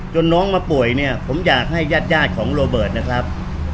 น้องมาป่วยเนี่ยผมอยากให้ญาติของโรเบิร์ตนะครับ